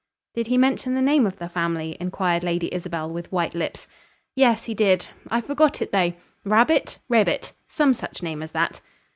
"Did he mention the name of the family?" inquired Lady Isabel, with white lips. "Yes, he did. I forgot it, though. Rabbit! Rabit! some such name as that."